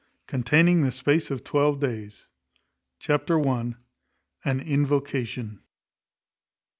CONTAINING THE SPACE OF TWELVE DAYS. Chapter i. An Invocation.